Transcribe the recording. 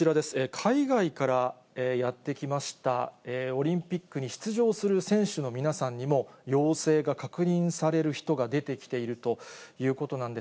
海外からやって来ました、オリンピックに出場する選手の皆さんにも、陽性が確認される人が出てきているということなんです。